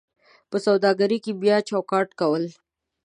په سوداګرۍ کې بیا چوکاټ کول: